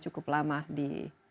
cukup lama di